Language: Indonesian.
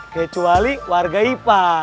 kecuali warga ipa